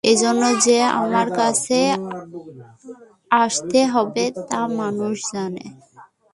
এজন্য যে আমার কাছে আসতে হবে, তা মানুষ জানে।